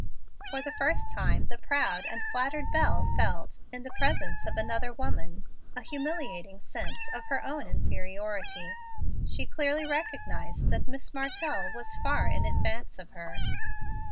For the first time the proud and flattered belle felt, in the presence of another woman, a humiliating sense of her own inferiority. She clearly recognized that Miss Martell was far in advance of her.